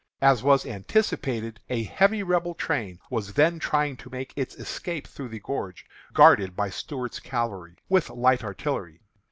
As was anticipated, a heavy Rebel train was then trying to make its escape through the gorge, guarded by Stuart's Cavalry, with light artillery.